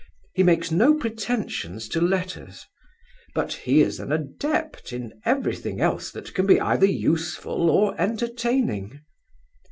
He makes no pretensions to letters; but he is an adept in every thing else that can be either useful or entertaining.